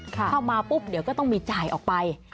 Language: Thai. เข้ามาปุ๊บเดี๋ยวก็ต้องมีจ่ายออกไป